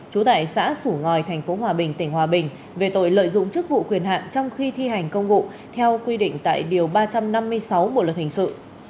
trú tại xã sủ ngòi tp hòa bình tỉnh hòa bình về tội lợi dụng chức vụ quyền hạn trong khi thi hành công vụ theo quy định tại điều ba trăm năm mươi sáu bộ luật hình sự